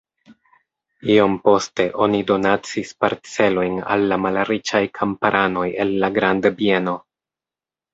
Iom poste oni donacis parcelojn al la malriĉaj kamparanoj el la grandbieno.